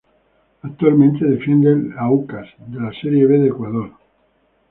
Actualmente defiende al Aucas, de la Serie B de Ecuador.